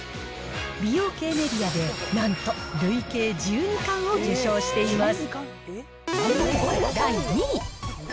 美容系メディアで、なんと累計１２冠を受賞しています。